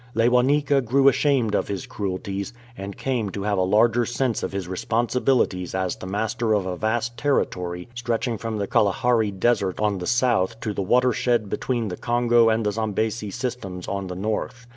Lewanika grew ashamed of his cruelties, and came to have a larger sense of his responsibilities as the master of a vast territory stretching from the Kalahari Desert on the south to the watershed between the Congo and the Zambesi systems on the north.